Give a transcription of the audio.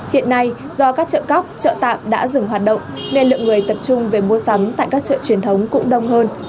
hiện nay do các chợ cóc chợ tạm đã dừng hoạt động nên lượng người tập trung về mua sắm tại các chợ truyền thống cũng đông hơn